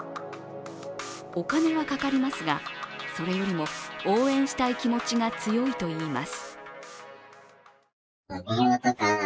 お金はかかりますが、それよりも応援したい気持ちが強いといいます。